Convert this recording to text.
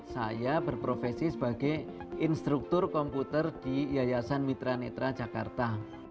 saya berprofesi sebagai instruktur komputer di yayasan mitra netra jakarta